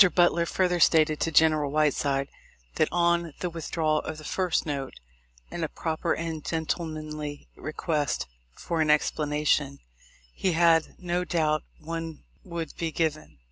Butler further stated to General Whiteside, that, on the withdrawal of the first note, and a proper and gentlemanly request for an ex planation, he had no doubt one would be given.